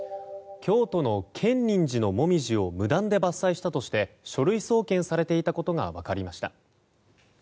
京都の建仁寺のモミジを無断で伐採したとして書類送検されていたことが分かりました。